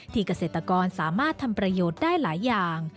เกษตรกรสามารถทำประโยชน์ได้หลายอย่าง